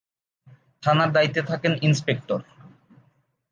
থানার দায়িত্বে থাকেন ইনস্পেক্টর।